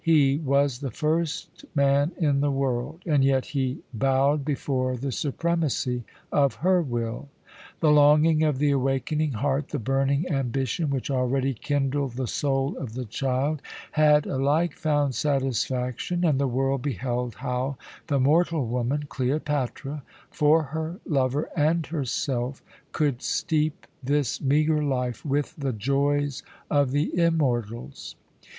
He was the first man in the world, and yet he bowed before the supremacy of her will. The longing of the awakening heart, the burning ambition which already kindled the soul of the child, had alike found satisfaction, and the world beheld how the mortal woman, Cleopatra, for her lover and herself, could steep this meagre life with the joys of the immortals.